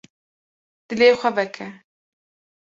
Dilê xwe veke.